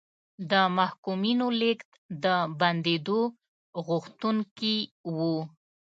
د محکومینو لېږد د بندېدو غوښتونکي وو.